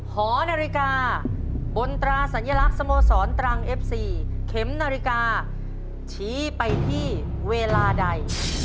หอนาฬิกาบนตราสัญลักษณ์สโมสรตรังเอฟซีเข็มนาฬิกาชี้ไปที่เวลาใด